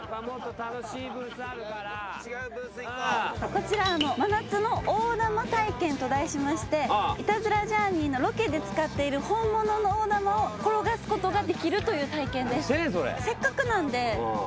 こちら真夏の大玉体験と題しまして『イタズラ×ジャーニー』のロケで使っている本物の大玉を転がすことができるという体験です。